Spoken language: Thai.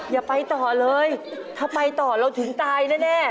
อย่าไปต่อเลยถ้าไปต่อเราถึงตายแน่